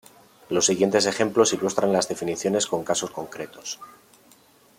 Los siguientes ejemplos ilustran las definiciones con casos concretos.